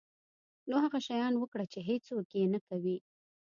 نو هغه شیان وکړه چې هیڅوک یې نه کوي.